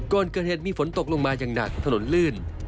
ก่อนเกิดเหตุมีฝนตกลงมาอย่างหนักถนนลื่น